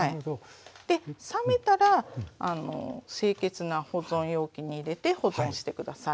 で冷めたら清潔な保存容器に入れて保存して下さい。